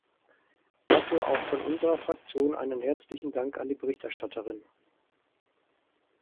Dafür auch von unserer Fraktion einen herzlichen Dank an die Berichterstatterin.